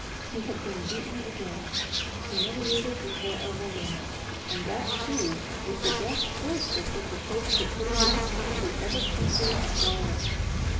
He had been beaten again, humiliated before a woman, and that, too, with the best horse that he could hope to put against the ever conquering squire.